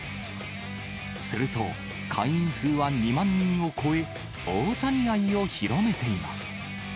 すると、会員数は２万人を超え、オオタニ愛を広めています。